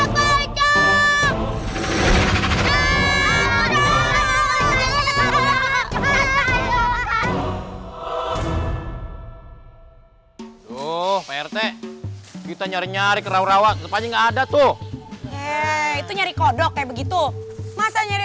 tuh prt kita nyari nyari kerauh rauh ada tuh itu nyari kodoknya begitu masa nyari